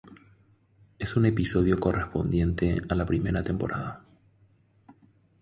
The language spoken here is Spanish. Es un episodio correspondiente a la primera temporada.